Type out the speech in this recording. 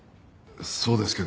そうですけど。